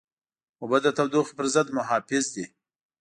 اوبه د تودوخې پر ضد محافظ دي.